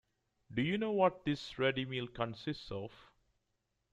Do you know what this ready meal consists of?